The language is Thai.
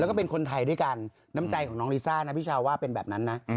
แล้วก็เป็นคนไทยด้วยกันน้ำใจของน้องลิซ่านะพี่ชาวว่าเป็นแบบนั้นนะ